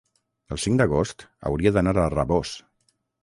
el cinc d'agost hauria d'anar a Rabós.